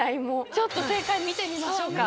ちょっと正解見てみましょうか。